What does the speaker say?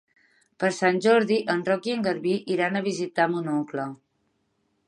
Per Sant Jordi en Roc i en Garbí iran a visitar mon oncle.